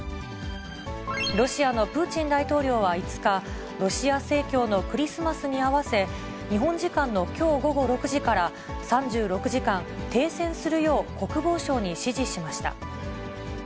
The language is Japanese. ロシアのプーチン大統領は５日、ロシア正教のクリスマスに合わせ、日本時間のきょう午後６時から３６時間停戦するよう国防省に指示しました。